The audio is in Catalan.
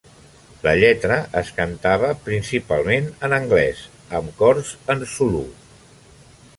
La lletra es cantava principalment en anglès, amb cors en zulú.